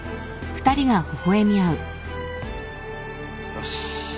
よし。